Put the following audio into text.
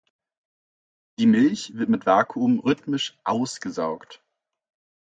Die Milch wird mit Vakuum rhythmisch „ausgesaugt“.